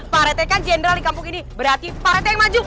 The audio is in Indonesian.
pak retekan jenderal di kampung ini berarti pak rete yang maju